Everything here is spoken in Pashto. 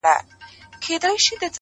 نور به شاعره زه ته چوپ ووسو!!